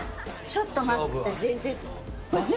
ちょっと待って全然。